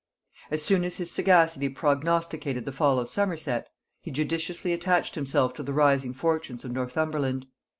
As soon as his sagacity prognosticated the fall of Somerset, he judiciously attached himself to the rising fortunes of Northumberland.